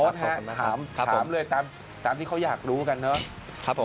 ถามผมเลยตามที่เขาอยากรู้กันเนอะ